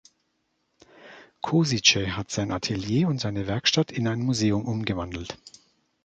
Kosice hat sein Atelier und seine Werkstatt in ein Museum umgewandelt.